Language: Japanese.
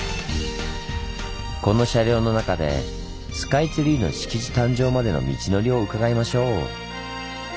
この車両の中でスカイツリーの敷地誕生までの道のりを伺いましょう。